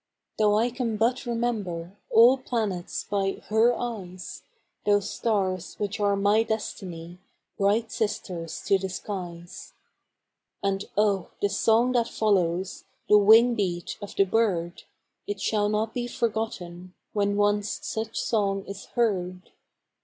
Though I can but remember All planets by her eyes, Those stars, which are my destiny, Bright sisters to the skies'. And, oh, the song that follows The wing beat of the bird! It shall not be forgotten When once such song is heard.